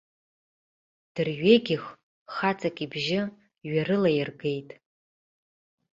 Дырҩегьых хаҵак ибжьы ҩарылаиргеит.